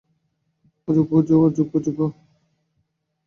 অযোগ্য, অযোগ্য, অযোগ্য!